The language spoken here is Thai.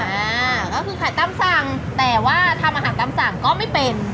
อ่าก็คือขายตามสั่งแต่ว่าทำอาหารตามสั่งก็ไม่เป็น